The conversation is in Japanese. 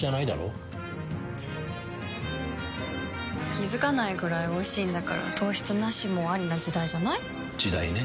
気付かないくらいおいしいんだから糖質ナシもアリな時代じゃない？時代ね。